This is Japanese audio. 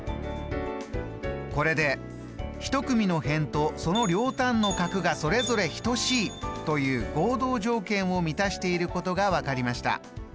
これで「１組の辺とその両端の角がそれぞれ等しい」という合同条件を満たしていることが分かりました。